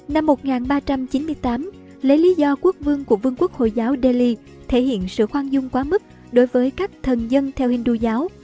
năm một nghìn ba trăm chín mươi tám lấy lý do quốc vương của vương quốc hồi giáo delhi thể hiện sự khoan dung quá mức đối với các thần dân theo hình đô giáo